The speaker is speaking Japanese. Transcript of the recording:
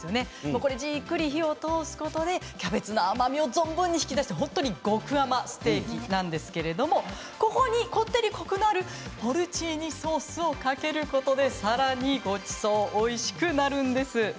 こちら、じっくりと火を通すことでキャベツ、たまねぎを存分に引き出して極甘ステーキなんですけれどもここにとってもコクのあるポルチーニソースをかけるとさらにごちそうおいしくなるんです。